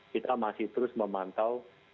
kita masih terus memantau